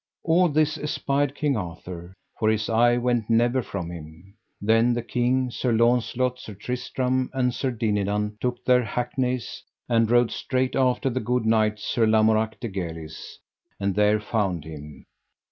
All this espied King Arthur, for his eye went never from him. Then the king, Sir Launcelot, Sir Tristram, and Sir Dinadan, took their hackneys, and rode straight after the good knight, Sir Lamorak de Galis, and there found him.